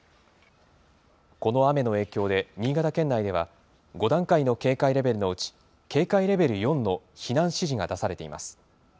この雨の影響で、新潟県内では、５段階の警戒レベルのうち、警戒レベル４の避難指示が出されています。